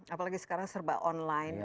apalagi sekarang serba online